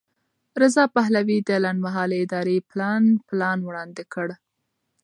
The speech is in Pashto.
رضا پهلوي د لنډمهالې ادارې لپاره پلان وړاندې کړ.